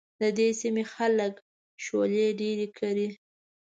د دې سيمې خلک شولې ډېرې کري.